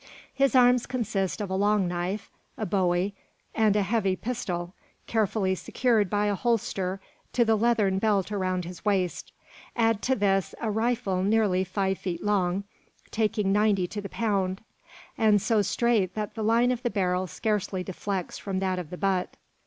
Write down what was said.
His arms consist of a long knife, a bowie, and a heavy pistol, carefully secured by a holster to the leathern belt around his waist. Add to this a rifle nearly five feet long, taking ninety to the pound, and so straight that the line of the barrel scarcely deflects from that of the butt.